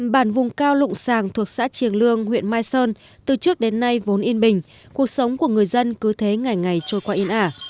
bản vùng cao lụng sàng thuộc xã triềng lương huyện mai sơn từ trước đến nay vốn yên bình cuộc sống của người dân cứ thế ngày ngày trôi qua yên ả